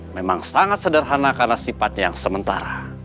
memang sangat sederhana karena sifatnya yang sementara